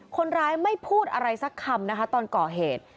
คนร้ายไม่พูดอะไรสักคำนะคะตอนก่อเหตุ